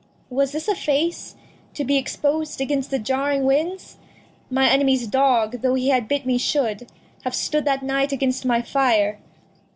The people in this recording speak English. Was this a Face To be expos'd against the jarring Winds ? My Enemy's Dog, though he had bit me, shou'd Have stood that Night against my Fire.